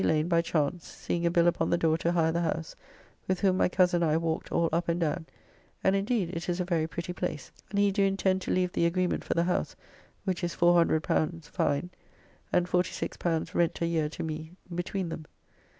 Lane by chance, seeing a bill upon the door to hire the house, with whom my coz and I walked all up and down, and indeed it is a very pretty place, and he do intend to leave the agreement for the House, which is L400 fine, and L46 rent a year to me between them.